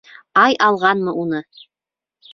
— Ай алғанмы уны?